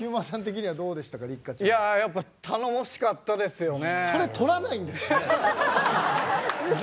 いややっぱ頼もしかったですよね。